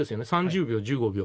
３０秒１５秒。